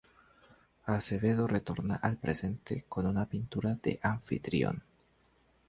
Acevedo retorna al presente con una pintura de su anfitrión.